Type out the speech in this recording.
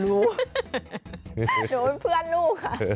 หนูเป็นเพื่อนลูกค่ะ